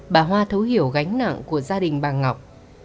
bà hoa thấu hiểu gánh nặng của gia đình bà ngọc